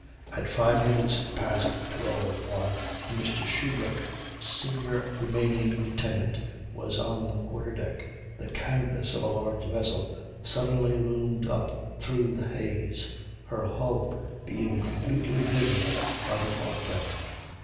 At five minutes past twelve, while Mr. Shubrick, the senior remaining lieutenant, was on the quarter deck, the canvas of a large vessel suddenly loomed up through the haze, her hull being completely hidden by the fog bank.